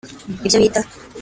ibyo bita